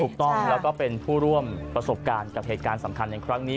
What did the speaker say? ถูกต้องแล้วก็เป็นผู้ร่วมประสบการณ์กับเหตุการณ์สำคัญในครั้งนี้